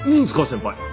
先輩。